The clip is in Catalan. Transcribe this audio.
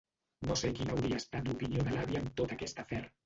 No sé quina hauria estat l'opinió de l'àvia en tot aquest afer.